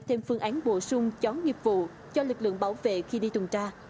thêm phương án bổ sung chó nghiệp vụ cho lực lượng bảo vệ khi đi tuần tra